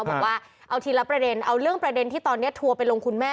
บอกว่าเอาทีละประเด็นเอาเรื่องประเด็นที่ตอนนี้ทัวร์ไปลงคุณแม่